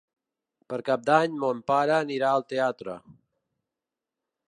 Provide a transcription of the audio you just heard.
Per Cap d'Any mon pare anirà al teatre.